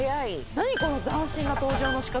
何この斬新な登場の仕方。